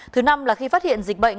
thứ năm là khi phát hiện dịch bệnh